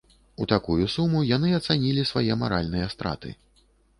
У такую суму яны ацанілі свае маральныя страты.